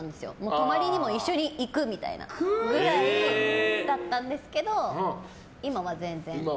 泊まりにも一緒に行くみたいなというぐらいだったんですけど今は全然。